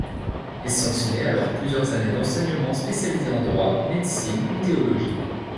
Il sanctionnait alors plusieurs années d'enseignement spécialisé en droit, médecine ou théologie.